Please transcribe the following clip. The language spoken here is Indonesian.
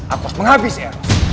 aku harus menghabis eros